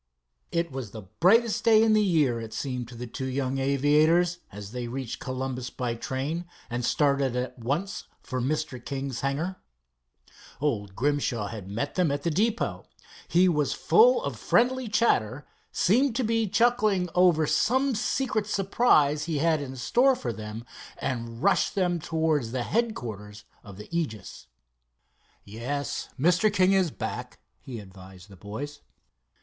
It was the brightest day in the year, it seemed to the two young aviators, as they reached Columbus by train, and started at once for Mr. King's hangar. Old Grimshaw had met them at the depot. He was full of friendly chatter, seemed to be chuckling over some secret surprise he had in store for them, and rushed them towards the headquarters of the Aegis. "Yes, Mr. King is back," he advised the boys.